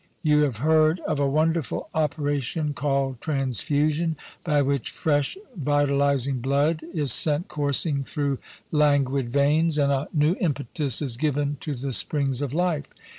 You have heard of a wonderful operation called transfusion, by which fresh vital ising blood is sent coursing through languid veins, and a new impetus is given to the springs of life.